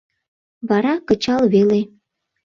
Вара кычал веле.